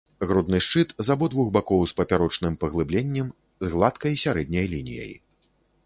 Грудны шчыт з абодвух бакоў з папярочным паглыбленнем, з гладкай сярэдняй лініяй.